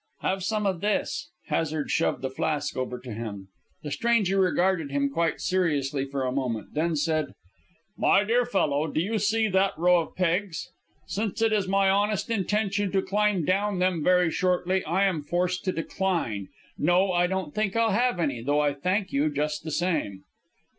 "Have some of this." Hazard shoved the flask over to him. The stranger regarded him quite seriously for a moment, then said, "My dear fellow, do you see that row of pegs? Since it is my honest intention to climb down them very shortly, I am forced to decline. No, I don't think I'll have any, though I thank you just the same."